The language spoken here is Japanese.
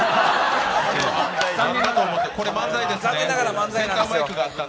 これ漫才です。